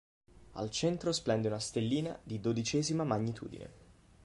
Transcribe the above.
Al centro splende una stellina di dodicesima magnitudine.